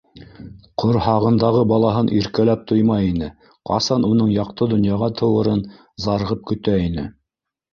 Ҡорһағындағы балаһын иркәләп туймай ине, ҡасан уның яҡты донъяға тыуырын зарығып көтә ине!